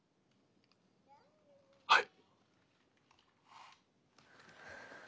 はい。